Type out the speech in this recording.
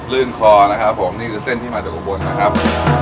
ลื่นคอนะครับผมนี่คือเส้นที่มาจากอุบลนะครับ